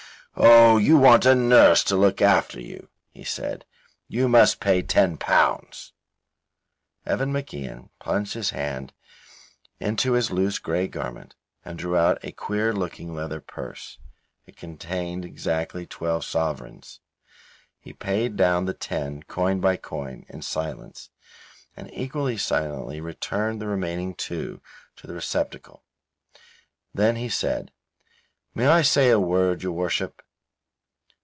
"Oh, you want a nurse to look after you," he said. "You must pay L10." Evan MacIan plunged his hands into his loose grey garment and drew out a queer looking leather purse. It contained exactly twelve sovereigns. He paid down the ten, coin by coin, in silence, and equally silently returned the remaining two to the receptacle. Then he said, "May I say a word, your worship?"